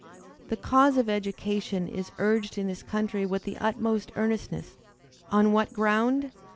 The cause of education is urged in this country with the utmost earnestness — on what ground?